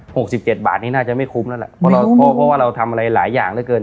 สิบเจ็ดบาทนี้น่าจะไม่คุ้มแล้วแหละเพราะเราเพราะว่าเราทำอะไรหลายอย่างเหลือเกิน